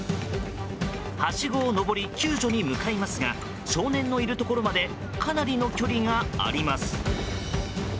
はしごを上り救助に向かいますが少年のいるところまでかなりの距離があります。